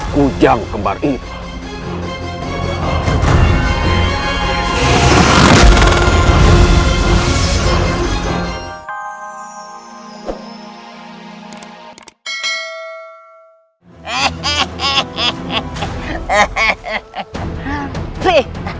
kujang kembar itu